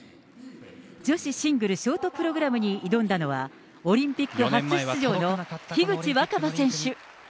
女子シングルショートプログラムに挑んだのは、オリンピック初出場の樋口新葉選手。